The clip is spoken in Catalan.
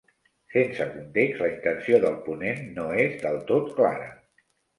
Sense context, la intenció del ponent no és del tot clara.